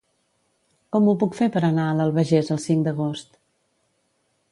Com ho puc fer per anar a l'Albagés el cinc d'agost?